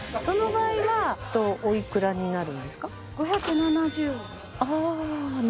その場合はお幾らになるんですか？